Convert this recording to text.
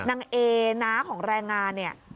นางเอน้าของแรงงานเนี่ย